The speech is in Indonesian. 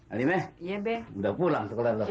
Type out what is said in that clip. alime udah pulang sekolah